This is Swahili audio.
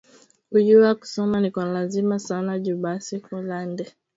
Kuyuwa kusoma ni kwa lazima sana nju basi kulande